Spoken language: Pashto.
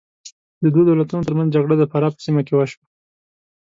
د دوو دولتونو تر منځ جګړه د فراه په سیمه کې وشوه.